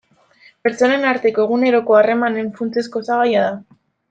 Pertsonen arteko eguneroko harremanen funtsezko osagaia da.